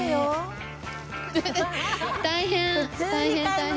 大変！